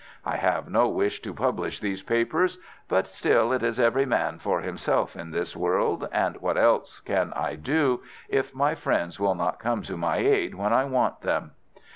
I have no wish to publish these papers; but, still, it is every man for himself in this world, and what else can I do if my friends will not come to my aid when I want them?